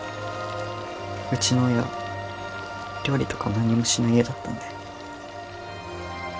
うちの親料理とか何もしない家だったんで。